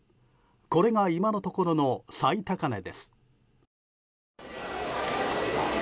これが今のところの最高値です。